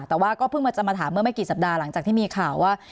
แต่ว่าก็เพิ่งมาจะมาถามเมื่อไม่กี่สัปดาห์หลังจากที่มีข่าวว่า